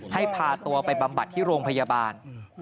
พาตัวไปบำบัดที่โรงพยาบาล